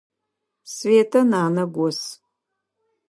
Светэ нанэ гос.